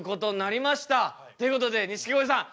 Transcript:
大成功！ということで錦鯉さん